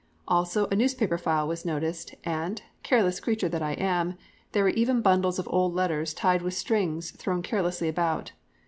Also a newspaper file was noticed, and careless creature that I am "there were even bundles of old letters tied with strings thrown carelessly about."